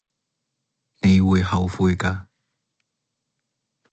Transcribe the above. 你會後悔㗎